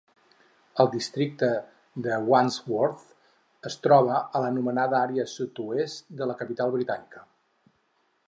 El districte de Wandsworth es troba a l'anomenada àrea Sud-oest de la capital britànica.